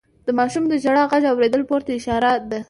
د ماشوم د ژړا غږ اورېدل مور ته اشاره ده.